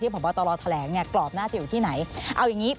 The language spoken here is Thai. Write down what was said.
ที่ผ่อบอร์ตอร์ทะแหลงเนี่ยกรอบน่าจะอยู่ที่ไหนเอาอย่างงี้